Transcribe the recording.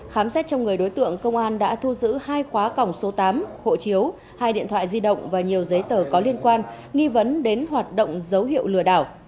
khám xét trong người đối tượng công an đã thu giữ hai khóa còng số tám hộ chiếu hai điện thoại di động và nhiều giấy tờ có liên quan nghi vấn đến hoạt động dấu hiệu lừa đảo